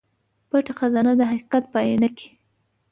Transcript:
پټه خزانه د حقيقت په اينه کې